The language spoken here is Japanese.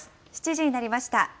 ７時になりました。